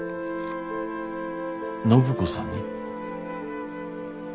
暢子さんに？